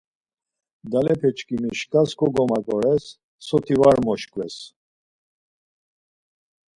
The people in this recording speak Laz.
Dalepeçkimi şkas kogomaǩores soti var moşkves.